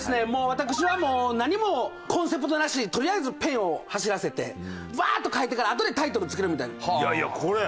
私はもう何もコンセプトなしにとりあえずペンを走らせてわーっと描いてからあとでタイトル付けるみたい。